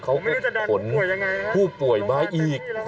เขามีผู้ป่วยมาอีก